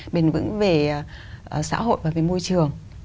bền vững về xã hội và về môi trường